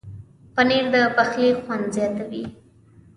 پنېر د پخلي خوند زیاتوي.